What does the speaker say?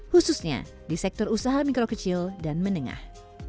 khususnya di sektor usaha mikro kecil dan menengah